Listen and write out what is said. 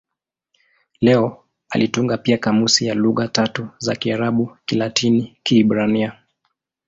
Leo alitunga pia kamusi ya lugha tatu za Kiarabu-Kilatini-Kiebrania.